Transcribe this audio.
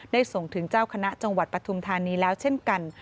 ส่งถึงเจ้าคณะจังหวัดปฐุมธานีแล้วเช่นกัน